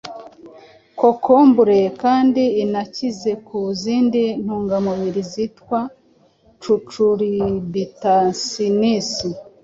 Kokombure kandi inakize ku zindi ntungamubiri zitwa cucurbitacins,